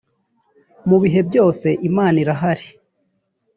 mu bihe byose imana irahari.